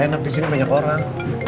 ya enak disini banyak orang